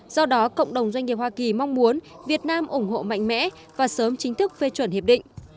do đó cộng đồng doanh nghiệp hoa kỳ mong muốn việt nam ủng hộ mạnh mẽ và sớm chính thức phê chuẩn hiệp định